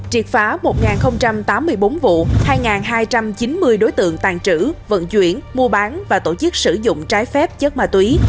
triệt phá một tám mươi bốn vụ hai hai trăm chín mươi đối tượng tàn trữ vận chuyển mua bán và tổ chức sử dụng trái phép chất ma túy